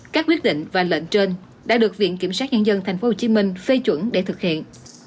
các quyết định và lệnh trên đã được viện kiểm sát nhân dân tp hcm phê chuẩn để thực hiện